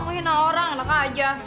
ngehina orang enak aja